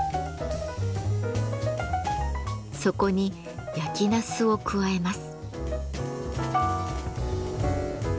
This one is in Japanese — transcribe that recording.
そこに焼きなすを加えます。